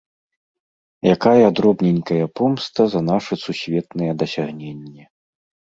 Якая дробненькая помста за нашы сусветныя дасягненні!